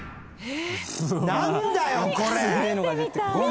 何だよこれ！